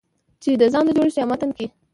چې د ځان د جوړښت يا په متن کې